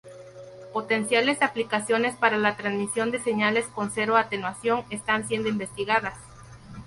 Potenciales aplicaciones para la transmisión de señales con cero atenuación están siendo investigadas.